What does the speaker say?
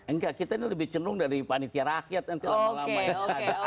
enggak kita ini lebih cenderung dari panitia rakyat nanti lama lama yang ada